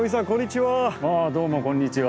ああどうもこんにちは。